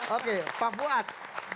oke pak buat